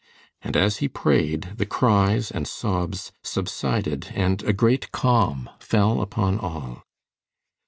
And as he prayed, the cries and sobs subsided and a great calm fell upon all.